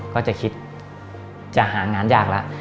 ก็จะคิดจะหางานยากแล้ว